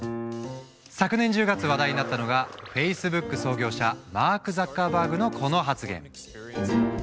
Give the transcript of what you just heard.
昨年１０月話題になったのがフェイスブック創業者マーク・ザッカーバーグのこの発言。